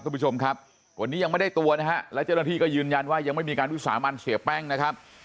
คุณผู้ชมครับวันนี้ยังไม่ได้ตัวนะฮะและเจ้าหน้าที่ก็ยืนยันว่ายังไม่มีการวิสามันเสียแป้งนะครับ